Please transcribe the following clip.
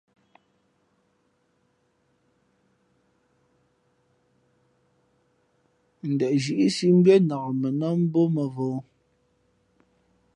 N ndαzhíʼsī mbʉ́ά nǎk mα nά mbō mᾱvǒ.